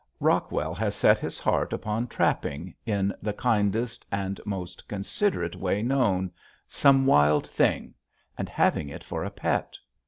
Rockwell has set his heart upon trapping, in the kindest and most considerate way known, some wild thing and having it for a pet.